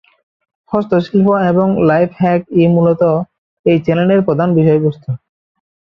হস্তশিল্প এবং লাইফ-হ্যাক-ই মূলত এই চ্যানেলের প্রধান বিষয়বস্তু।